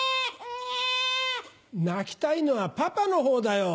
泣きたいのはパパのほうだよ。